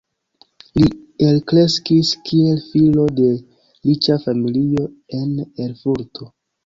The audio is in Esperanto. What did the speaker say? Li elkreskis kiel filo de riĉa familio en Erfurto.